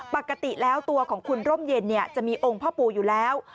ปกติแล้วตัวของคุณร่มเย็นจะมีองค์พ่อปู่อยู่แล้ว